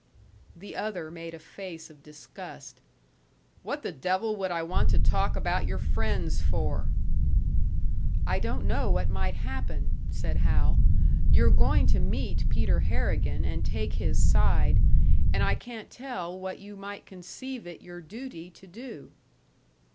The other made a face of disgust. "What the devil would I want to talk about your friends for?" "I don't know what might happen," said Hal. "You're going to meet Peter Harrigan and take his side, and I can't tell what you might conceive it your duty to do."